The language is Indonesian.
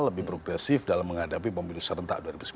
lebih progresif dalam menghadapi pemilu serentak dua ribu sembilan belas